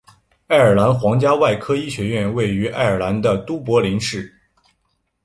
爱尔兰皇家外科医学院位于爱尔兰的都柏林市。